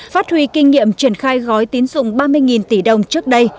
phát huy kinh nghiệm triển khai gói tín dụng ba mươi tỷ đồng trước đây